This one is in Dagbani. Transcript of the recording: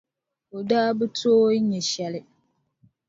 O daa bi tooi nya shɛli.